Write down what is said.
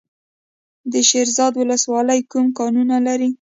د شیرزاد ولسوالۍ کوم کانونه لري؟